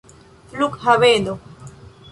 flughaveno